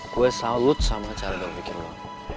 gue salut sama cara berpikir lo